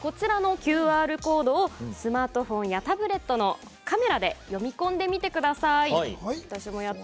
ＱＲコードをスマートフォンやタブレットのカメラで読み込んでみてください。